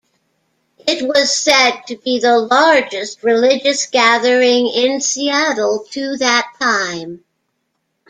It was said to be the largest religious gathering in Seattle to that time.